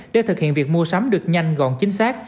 để thực hiện việc mua sắm được nhanh gọn chính xác